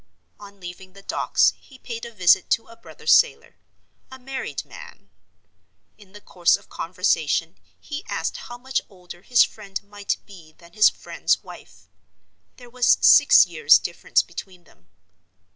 On leaving the Docks he paid a visit to a brother sailor—a married man. In the course of conversation he asked how much older his friend might be than his friend's wife. There was six years' difference between them.